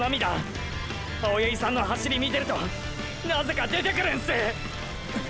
青八木さんの走り見てるとなぜか出てくるんす！